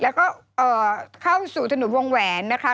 แล้วก็เข้าสู่ถนนวงแหวนนะคะ